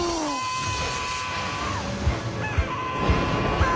ああ！